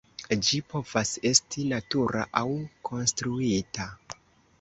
Ĝi povas esti natura aŭ konstruita.